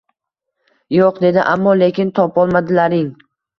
— Yo‘q! — dedi. — Ammo-lekin topolmadilaring!